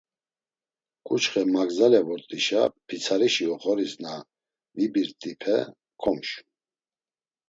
K̆uçxe magzale vort̆işa pitsarişi oxoris na vibirt̆ipe komşun.